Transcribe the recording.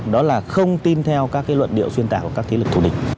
đó là không tin theo các luận điệu xuyên tạo của các thế lực thủ địch